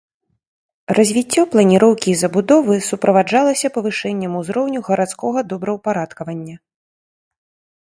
Развіццё планіроўкі і забудовы суправаджалася павышэннем узроўню гарадскога добраўпарадкавання.